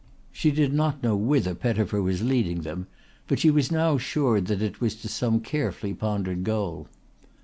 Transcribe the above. She did not know whither Pettifer was leading them but she was now sure that it was to some carefully pondered goal.